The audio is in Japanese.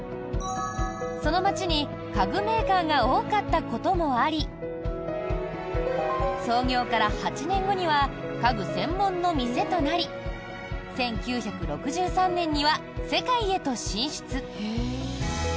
その街に家具メーカーが多かったこともあり創業から８年後には家具専門の店となり１９６３年には世界へと進出。